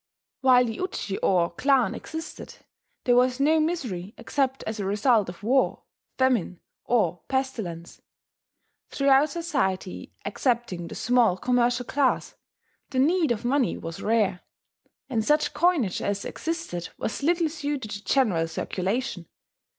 While the uji or clan existed, there was no misery except as a result of war, famine, or pestilence. Throughout society excepting the small commercial class the need of money was rare; and such coinage as existed was little suited to general circulation.